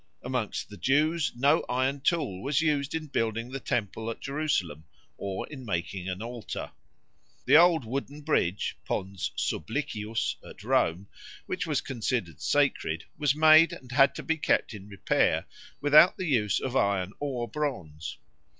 Amongst the Jews no iron tool was used in building the Temple at Jerusalem or in making an altar. The old wooden bridge (Pons Sublicius) at Rome, which was considered sacred, was made and had to be kept in repair without the use of iron or bronze.